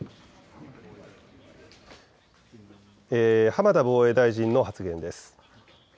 浜田防衛大臣の発言です。